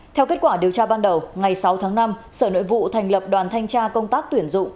theo kết quả điều tra ban đầu ngày sáu tháng năm sở nội vụ thành lập đoàn thanh tra công tác tuyển dụng